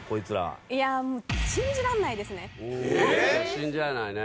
信じられないね。